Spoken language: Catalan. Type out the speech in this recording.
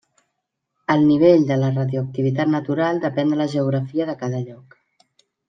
El nivell de la radioactivitat natural depèn de la geografia de cada lloc.